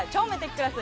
クラス